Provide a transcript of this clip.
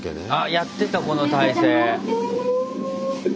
やってたこの体勢。